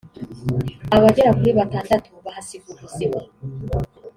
abagera kuri batandatu bahasiga ubuzima